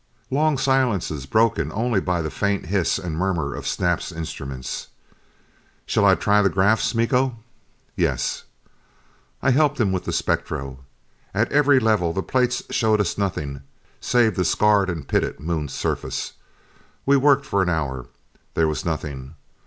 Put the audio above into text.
Long silences, broken only by the faint hiss and murmur of Snap's instruments. "Shall I try the graphs, Miko?" "Yes." I helped him with the spectro. At every level the plates showed us nothing save the scarred and pitted Moon surface. We worked for an hour. There was nothing.